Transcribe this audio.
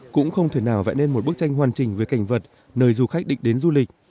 cũng không thể nào vẽ nên một bức tranh hoàn chỉnh về cảnh vật nơi du khách định đến du lịch